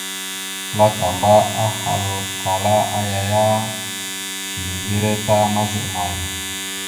Kǝlakamba ahalǝkala ya: « Niŋgire ta mazaɗ amay? ».